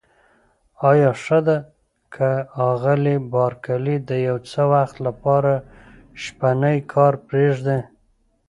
آیا ښه ده که آغلې بارکلي د یو څه وخت لپاره شپنی کار پرېږدي؟